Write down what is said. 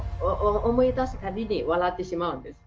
思い出すたびに笑ってしまうんです。